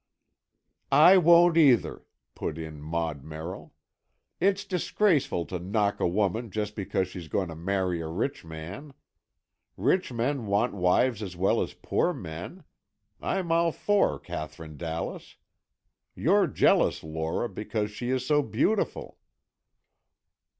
"I won't either," put in Maud Merrill. "It's disgraceful to knock a woman just because she's going to marry a rich man. Rich men want wives as well as poor men. I'm all for Katherine Dallas. You're jealous, Lora, because she is so beautiful."